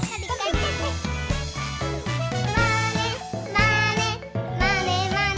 「まねまねまねまね」